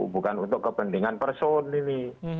bukan untuk kepentingan person ini